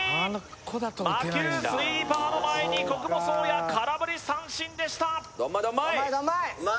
魔球スイーパーの前に小久保颯弥空振り三振でしたドンマイドンマイ！